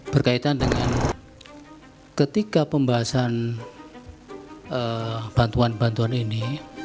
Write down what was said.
berkaitan dengan ketika pembahasan bantuan bantuan ini